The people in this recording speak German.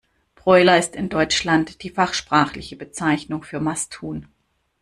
Broiler ist in Deutschland die fachsprachliche Bezeichnung für Masthuhn.